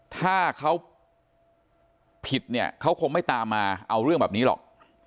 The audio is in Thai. ถ้าเขาผิดเนี่ยเขาคงไม่ตามมาเอาเรื่องแบบนี้หรอก